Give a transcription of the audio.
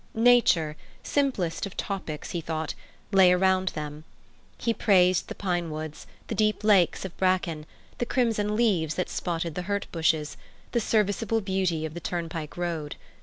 Nature—simplest of topics, he thought—lay around them. He praised the pine woods, the deep lasts of bracken, the crimson leaves that spotted the hurt bushes, the serviceable beauty of the turnpike road.